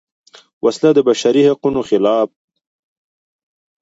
وسله د بشري حقونو خلاف ده